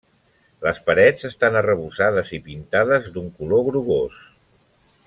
Les parets estan arrebossades i pintades d'un color grogós.